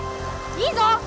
いいぞ！